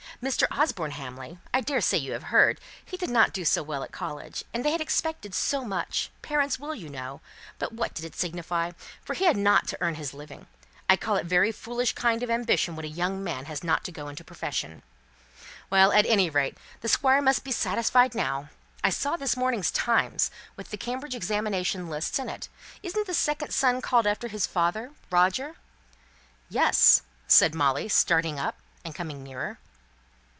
Mr. Osborne Hamley I daresay you have heard he did not do so well at college, and they had expected so much parents will, you know; but what did it signify? for he had not to earn his living! I call it a very foolish kind of ambition when a young man has not to go into a profession." "Well, at any rate, the Squire must be satisfied now. I saw this morning's Times, with the Cambridge examination lists in it. Isn't the second son called after his father, Roger?" "Yes," said Molly, starting up, and coming nearer.